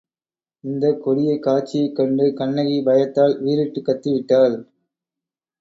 இந்தக் கொடிய காட்சியைக் கண்டு கண்ணகி பயத்தால் வீறிட்டுக் கத்திவிட்டாள்.